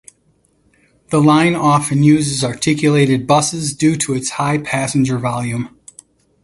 The line often uses articulated buses due to its high passenger volume.